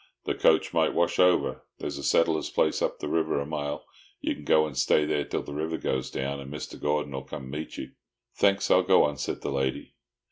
The coach might wash over. There's a settler's place up the river a mile. You can go and stay there till the river goes down, and Mr. Gordon 'll come and meet you." "Thanks, I'll go on," said the lady.